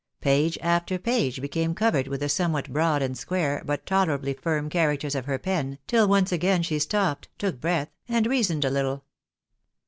Page after page became covered with the somewhat broad and square, but tolerably firm characters of her pen, tiU once again ehe stopped, took breath, and reasoned a little.